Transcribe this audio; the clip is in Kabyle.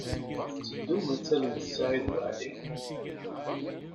I teddum ad tallem Saɛid Waɛli?